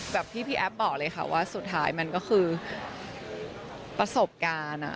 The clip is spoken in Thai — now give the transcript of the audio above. แบบที่พี่แอฟบอกเลยค่ะว่าสุดท้ายมันก็คือประสบการณ์